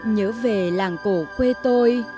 nhớ về làng cổ quê tôi